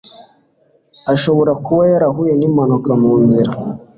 Ashobora kuba yarahuye nimpanuka mu nzira.